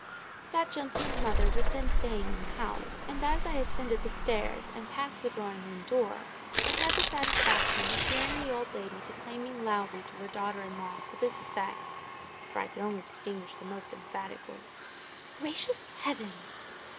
That gentleman's mother was then staying in the house; and, as I ascended the stairs and passed the drawing room door, I had the satisfaction of hearing the old lady declaiming aloud to her daughter in law to this effect (for I could only distinguish the most emphatic words)— "Gracious heavens!